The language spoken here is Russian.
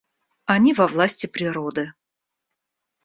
Они во власти природы.